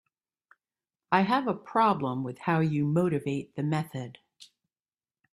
I have a problem with how you motivate the method.